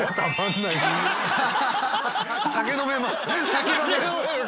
酒飲める。